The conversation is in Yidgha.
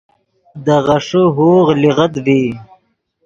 دے غیݰے ہوغ لیغت ڤی